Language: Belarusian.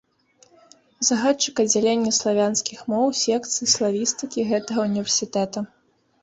Загадчык аддзялення славянскіх моў секцыі славістыкі гэтага ўніверсітэта.